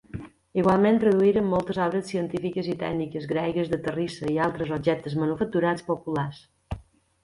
Igualment, traduïren moltes obres científiques i tècniques gregues de terrissa i altres objectes manufacturats populars.